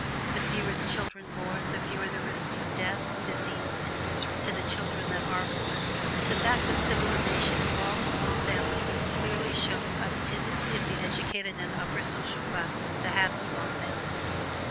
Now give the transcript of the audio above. The fewer the children born, the fewer the risks of death, disease, and misery to the children that are born. The fact that civilization involves small families is clearly shown by the tendency of the educated and upper social classes to have small families.